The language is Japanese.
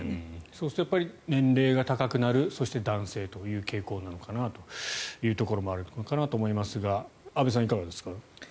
そうすると年齢が高くなるそして男性という傾向もあるのかなと思いますが安部さん、いかがですか。